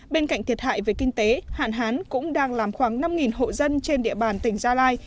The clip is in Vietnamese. bên cạnh thiệt hại về kinh tế hạn hán cũng đang làm khoảng năm hộ dân trên địa bàn tỉnh gia lai